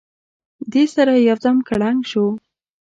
دې سره یو دم کړنګ شو.